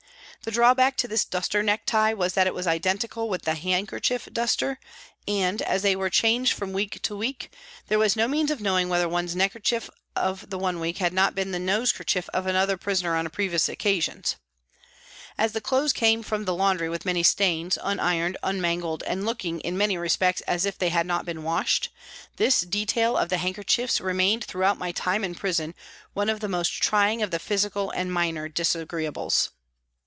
The drawback to this duster necktie was that it was identical with the handkerchief duster, and, as they were changed from week to week, there was no means of knowing whether one's neckerchief of one week had not been the nose kerchief of another prisoner on previous occasions. As the clothes came from the laundry 80 PRISONS AND PRISONERS with many stains, unironed, unmangled, and looking in many respects as if they had not been washed, this detail of the handkerchiefs remained throughout my time in prison one of the most trying of the physical and minor disagreeables.